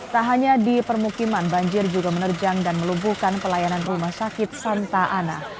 tak hanya di permukiman banjir juga menerjang dan melubuhkan pelayanan rumah sakit santa ana